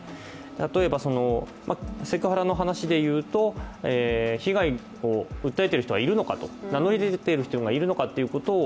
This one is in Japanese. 例えば、セクハラの話でいうと被害を訴えている人はいるのかと名乗り出ている人はいるのかと。